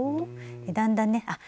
だんだんねあっ